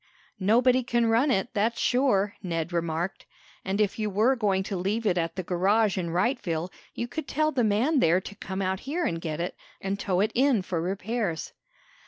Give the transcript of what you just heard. "Nobody can run it, that's sure," Ned remarked. "And if you were going to leave it at the garage in Wrightville you could tell the man there to come out here and get it, and tow it in for repairs."